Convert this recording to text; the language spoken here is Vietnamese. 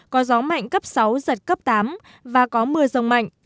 có gió mạnh cấp sáu giật cấp tám và có mưa rông mạnh